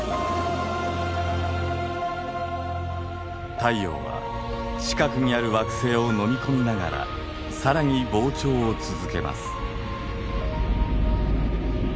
太陽は近くにある惑星を飲み込みながら更に膨張を続けます。